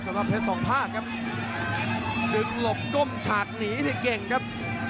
ประเภทสองภาคครับดึงหลบก้มฉากหนีที่เก่งครับ